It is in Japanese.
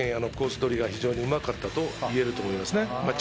取りが非常にうまかったと言えるということですね。